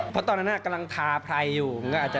เพราะตอนนั้นกำลังทาไพรอยู่